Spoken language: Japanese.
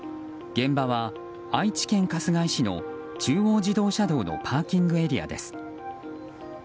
現場は愛知県春日井市の中央自動車道のパーキングエリアです。